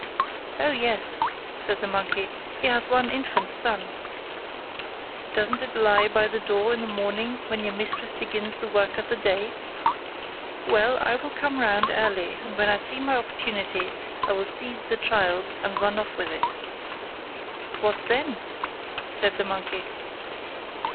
"Oh, yes," said the monkey, "he has one infant son." "Doesn't it lie by the door in the morning when your mistress begins the work of the day? Well, I will come round early and when I see my opportunity I will seize the child and run off with it." "What then?" said the monkey.